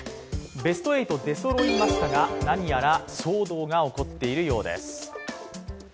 ベスト８出そろいましたが、なにやら騒動が起こっているようです。